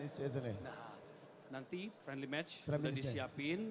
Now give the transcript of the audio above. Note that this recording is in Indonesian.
nah nanti friendly match sudah disiapin